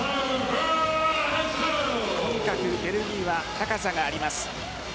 とにかくベルギーは高さがあります。